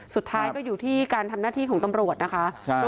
สุดท้ายก็อยู่ที่การทำหน้าที่ของตำรวจนะคะ